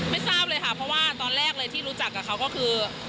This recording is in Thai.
ทราบเลยค่ะเพราะว่าตอนแรกเลยที่รู้จักกับเขาก็คือ